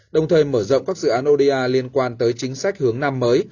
đồng thời mở rộng các dự án oda liên quan tới chính sách hướng nam mới